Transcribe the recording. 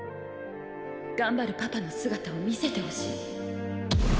頑張るパパの姿を見せてほしい